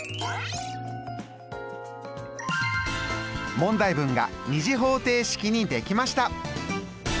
問題文が２次方程式にできました！